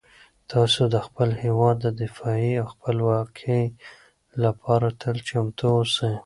تاسو د خپل هیواد د دفاع او خپلواکۍ لپاره تل چمتو اوسئ.